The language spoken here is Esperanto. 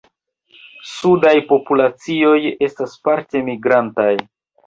Sudaj populacioj estas parte migrantaj.